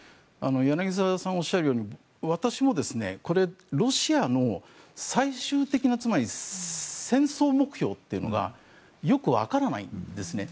柳澤さんがおっしゃるように私もこれ、ロシアの最終的な戦争目標というのがよくわからないんですね。